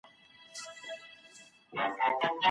ما په دغي مځکي کي د نرمغالي نښي وکتلې.